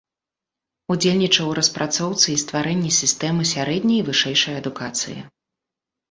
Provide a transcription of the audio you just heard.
Удзельнічаў у распрацоўцы і стварэнні сістэмы сярэдняй і вышэйшай адукацыі.